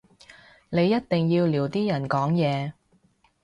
你一定要撩啲人講嘢